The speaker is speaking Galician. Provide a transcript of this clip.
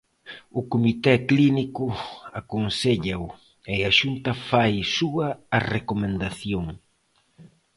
O comité clínico aconséllao e a Xunta fai súa a recomendación.